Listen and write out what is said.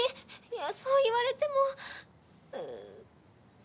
いやそう言われても。